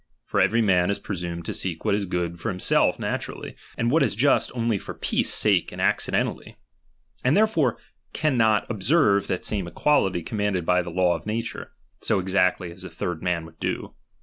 For every man is presumed to seek what is good for himself natu rally, and what is just only for peace sake and accidentally ; and therefore cannot observe that same equality commanded by the law of natiire, so exactly as a third man would do.